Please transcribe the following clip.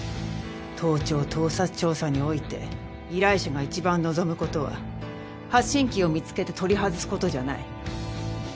盗聴盗撮調査において依頼者が一番望むことは発信器を見つけて取り外すことじゃない。